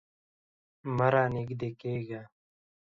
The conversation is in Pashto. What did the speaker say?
مه رانږدې کیږه